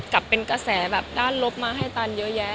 กับเป็นกระแสแบบด้านลบมาให้ตันเยอะแยะ